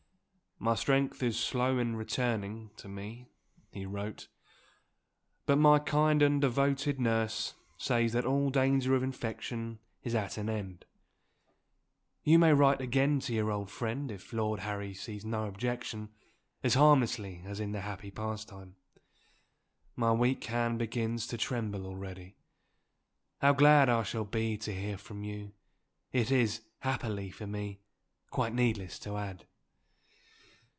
"My strength is slow in returning to me" (he wrote); "but my kind and devoted nurse says that all danger of infection is at an end. You may write again to your old friend if Lord Harry sees no objection, as harmlessly as in the happy past time. My weak hand begins to tremble already. How glad I shall be to hear from you, it is, happily for me, quite needless to add."